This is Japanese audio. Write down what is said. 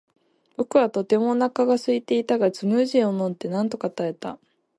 僕はとてもお腹がすいていたが、スムージーを飲んでなんとか耐えた。